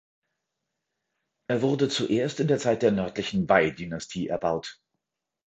Er wurde zuerst in der Zeit der Nördlichen Wei-Dynastie erbaut.